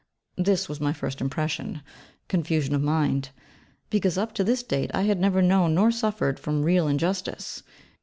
This was my first impression, confusion of mind; because up to this date I had never known nor suffered from real injustice.